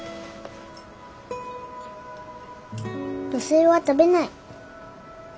土星は食べない。